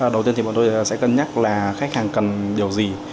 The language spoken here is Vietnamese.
đầu tiên thì bọn tôi sẽ cân nhắc là khách hàng cần điều gì